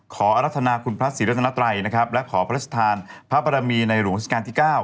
อรัฐนาคุณพระศรีรัตนัตรัยนะครับและขอพระราชทานพระบรมีในหลวงราชการที่๙